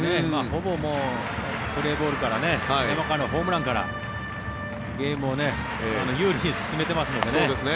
ほぼプレーボールから山川のホームランからゲームを有利に進めてますのでね。